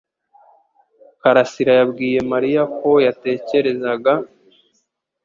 Karasira yabwiye Mariya ko yatekerezaga